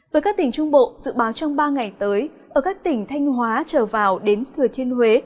với các tỉnh trung bộ dự báo trong ba ngày tới ở các tỉnh thanh hóa trở vào đến thừa thiên huế